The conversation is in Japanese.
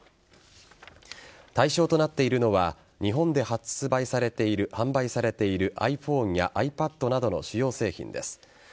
対象となっているのは日本で販売されているｉＰｈｏｎｅやｉＰａｄなどの主要製品です。